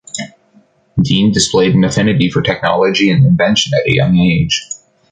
Dean displayed an affinity for technology and invention at a young age.